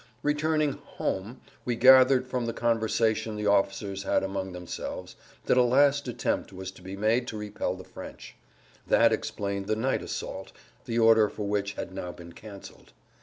Returning "home" we gathered from the conversation the officers had among themselves that a last attempt was to be made to repel the French; that explained the night assault the order for which had now been canceled.